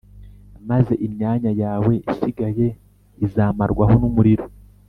maze imyanya yawe isigaye izamarwaho n umuriro